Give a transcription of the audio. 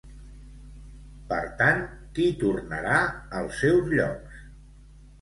Per tant, qui tornarà als seus llocs?